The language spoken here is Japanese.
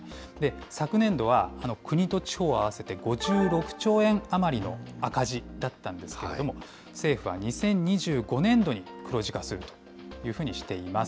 昨年度は、国と地方を合わせて５６兆円余りの赤字だったんですけれども、政府は２０２５年度に黒字化するというふうにしています。